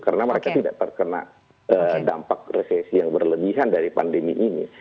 karena mereka tidak terkena dampak resesi yang berlebihan dari pandemi ini